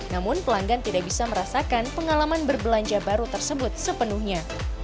namun pelanggan tidak bisa merasakan pengalaman berbelanja baru tersebut sepenuhnya